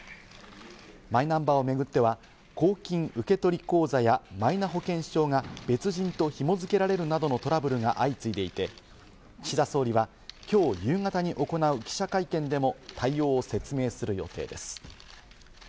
マイナンバーを巡っては、公金受取口座やマイナ保険証が別人と紐付けられるなどのトラブルが相次いでいて、岸田総理はきょう夕方に行う記者会見でも対応を説明する予定です。